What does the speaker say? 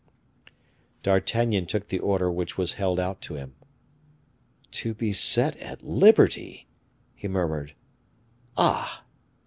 D'Artagnan took the order which was held out to him. "To be set at liberty!" he murmured. "Ah!"